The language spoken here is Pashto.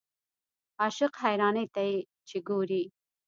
عاشق حیرانۍ ته چې ګورې.